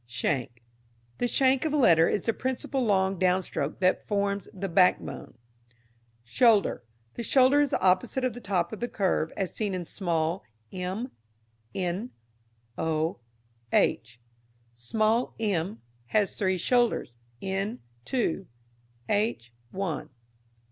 Shank. The shank of a letter is the principal long downstroke that forms the backbone. Shoulder. The shoulder is the outside of the top of the curve as seen in small m, n, o, h. Small m has three shoulders, n two, h one.